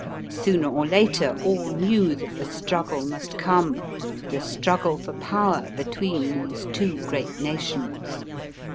Sooner or later, all knew that the struggle must come the struggle for power be tween these two great nations.